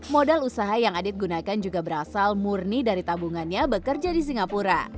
modal usaha yang adit gunakan juga berasal murni dari tabungannya bekerja di singapura